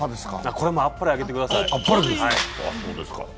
これは、あっぱれあげてください。